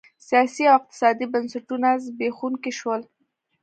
سیاسي او اقتصادي بنسټونه زبېښونکي شول